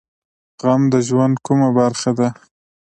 غم د ژوند کومه برخه ده؟